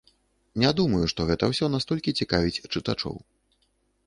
Не думаю, што гэта ўсё настолькі цікавіць чытачоў.